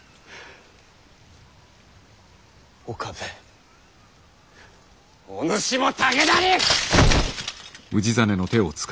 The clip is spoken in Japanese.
岡部お主も武田に！